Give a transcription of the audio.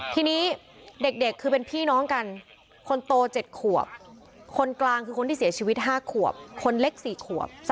ทีนี้เด็กคือเป็นพี่น้องกันคนโต๗ขวบคนกลางคือคนที่เสียชีวิต๕ขวบคนเล็ก๔ขวบ